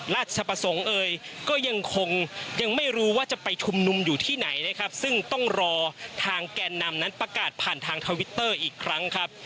ราชประสงค์เอ่ยก็ยังคงยังไม่รู้ว่าจะไปชุมนุมอยู่ที่ไหนนะครับซึ่งต้องรอทางแกนนำนั้นประกาศผ่านทางทวิตเตอร์อีกครั้งครับ